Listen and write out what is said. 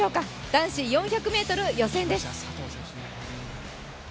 男子４００ｍ予選です。